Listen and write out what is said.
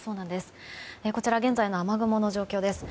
こちら現在の雨雲の状況です。